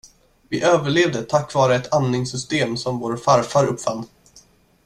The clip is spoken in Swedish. Vi överlevde tack vare ett andningssystem som vår farfar uppfann.